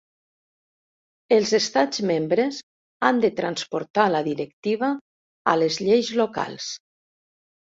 Els estats membres han de transposar la directiva a les lleis locals.